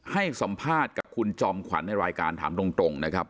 ให้สัมภาษณ์กับคุณจอมขวัญในรายการถามตรงนะครับ